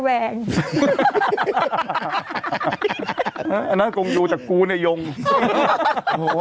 กระดาษที่ยัดในท้าวนั่นจะจับดูใช่ไหมถุงเท้าหรือเปล่า